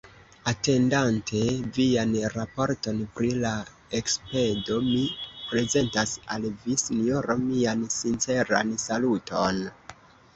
Atendante vian raporton pri la ekspedo, mi prezentas al vi, Sinjoro, mian sinceran saluton.